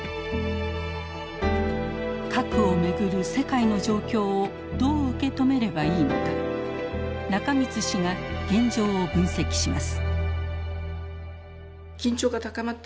核を巡る世界の状況をどう受け止めればいいのか中満氏が現状を分析します。